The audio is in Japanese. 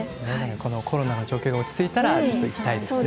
このコロナの状況が落ち着いたらちょっと行きたいですね。